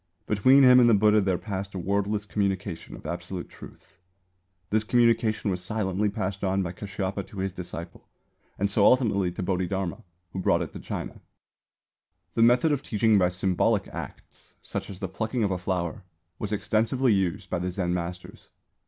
Between him and the Buddha there passed a wordless communication of Absolute Truths. This communication was silently passed on by Kāshyapa to his disciple, and so ultimately to Bodhidharma, who brought it to China. Dai Bonten Monbutsu Ketsugi Kyō. The method of teaching by symbolic acts (such as the plucking of a flower) was extensively used by the Zen masters.